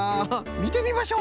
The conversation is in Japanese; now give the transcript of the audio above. みてみましょう！